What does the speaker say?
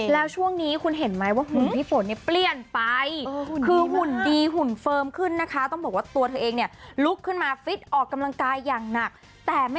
แล้วช่วงนี้เห็นมั้ยว่าที่กระชดว่ากิโล๓๕อีกแล้วอีกนั่นแหละ